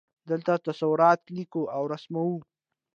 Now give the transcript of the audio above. دلته تصورات لیکو او رسموو.